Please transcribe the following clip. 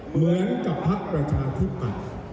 เหมือนกับทัศน์ประชาชนที่ป่าว